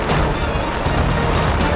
dan menangkap kake guru